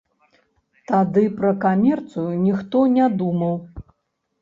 Тады пра камерцыю ніхто не думаў.